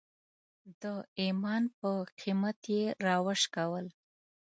د ایمان په قیمت یې راوشکول.